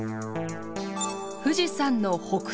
富士山の北東